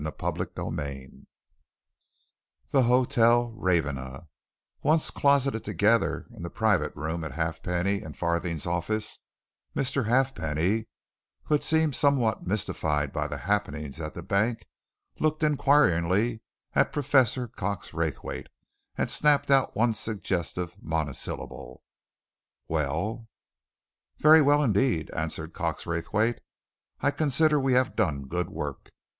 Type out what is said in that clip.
CHAPTER XXVIII THE HOTEL RAVENNA Once closeted together in the private room at Halfpenny and Farthing's office, Mr. Halfpenny, who had seemed somewhat mystified by the happenings at the bank, looked inquiringly at Professor Cox Raythwaite and snapped out one suggestive monosyllable: "Well?" "Very well indeed," answered Cox Raythwaite. "I consider we have done good work.